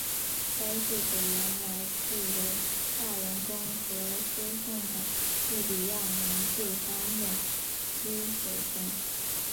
该市水源来自由大人工河输送的利比亚南部沙漠蓄水层。